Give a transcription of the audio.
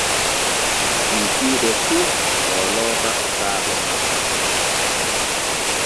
Kikiiɗe fu o loota sukaaɓe makko.